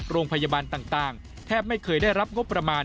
โรงพยาบาลต่างแทบไม่เคยได้รับงบประมาณ